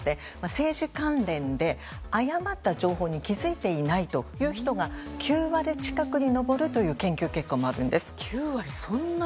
政治関連で、誤った情報に気づいていないという人が９割近くに上るという研究結果もあるんです。